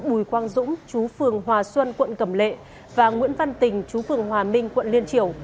bùi quang dũng chú phường hòa xuân quận cẩm lệ và nguyễn văn tình chú phường hòa minh quận liên triều